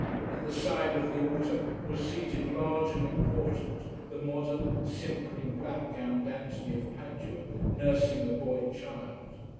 At the side of the altar was seated large and important the modern, simpering, black gowned Anthony of Padua, nursing a boy child.